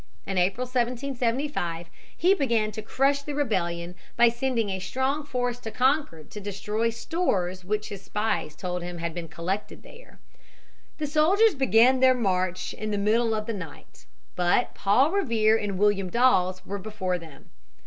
In April, 1775, he began to crush the rebellion by sending a strong force to Concord to destroy stores which his spies told him had been collected there. The soldiers began their march in the middle of the night. But Paul Revere and William Dawes were before them.